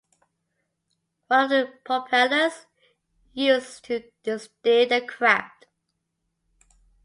One of the propellers was used to steer the craft.